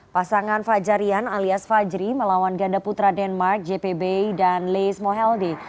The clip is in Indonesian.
pasangan fajarian alias fajri melawan ganda putra denmark jpb dan leis moheelde